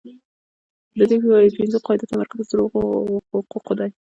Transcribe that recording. د دې پنځو قاعدو تمرکز پر هغو حقوقو دی.